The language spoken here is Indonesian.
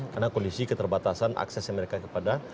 karena kondisi keterbatasan akses mereka kepada